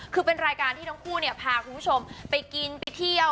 คือเป็นรายการที่ทั้งคู่เนี่ยพาคุณผู้ชมไปกินไปเที่ยว